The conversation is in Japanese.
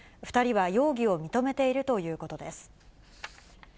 ２人は容疑を認めているということです。